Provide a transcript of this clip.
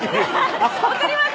分かります